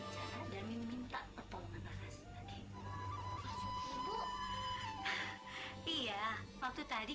sampai jumpa di video selanjutnya